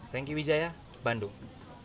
rengki wijaya bandung